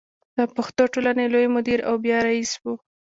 د پښتو ټولنې لوی مدیر او بیا رئیس و.